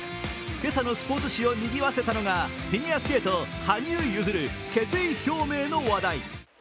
今朝のスポーツ紙を賑わせたのがフィギュアスケート・羽生結弦、決意表明の話題。